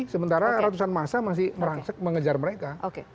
sementara ratusan masa masih merangsek mengejar mereka